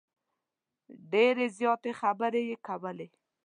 ډیرې زیاتې خبرې یې کولې.